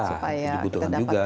supaya kita dapatkan teknologi